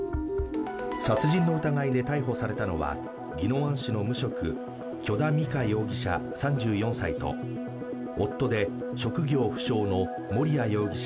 殺人の疑いで逮捕されたのは宜野湾市の無職・許田美香容疑者３４歳と夫で職業不詳の盛哉容疑者